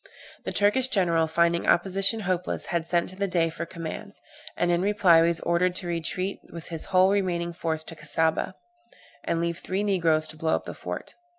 The Turkish general, finding opposition hopeless, had sent to the Dey for commands; and in reply was ordered to retreat with his whole remaining force to the Cassaubah, and leave three negroes to blow up the fort.